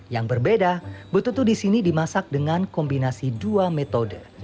yang berbeda betutu di sini dimasak dengan kombinasi dua metode